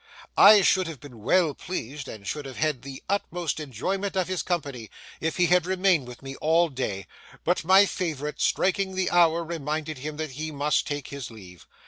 I should have been well pleased, and should have had the utmost enjoyment of his company, if he had remained with me all day, but my favourite, striking the hour, reminded him that he must take his leave.